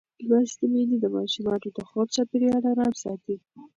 لوستې میندې د ماشومانو د خوب چاپېریال آرام ساتي.